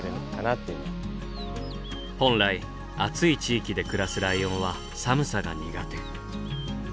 本来暑い地域で暮らすライオンは寒さが苦手。